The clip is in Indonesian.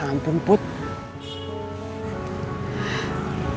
ya ampun putri